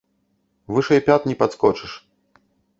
Вышэй пят не падскочыш!